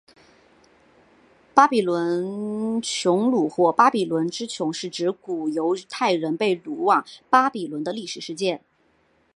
巴比伦囚虏或巴比伦之囚是指古犹太人被掳往巴比伦的历史事件。